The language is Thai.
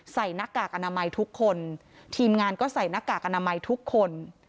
หน้ากากอนามัยทุกคนทีมงานก็ใส่หน้ากากอนามัยทุกคน